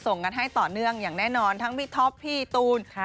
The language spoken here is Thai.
ส่งกันให้ต่อเนื่องอย่างแน่นอนทั้งพี่ท็อปพี่ตูน